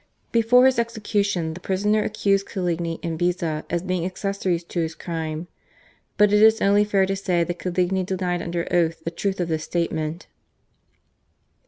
Before his execution the prisoner accused Coligny and Beza as being accessories to his crime, but it is only fair to say that Coligny denied under oath the truth of this statement.